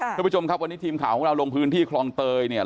คุณผู้ชมครับวันนี้ทีมข่าวของเราลงพื้นที่คลองเตยเนี่ย